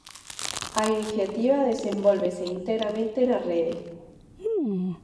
A iniciativa desenvólvese integramente na rede.